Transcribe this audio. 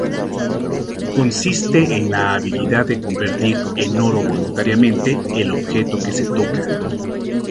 Consiste en la habilidad de convertir en oro voluntariamente el objeto que se toca.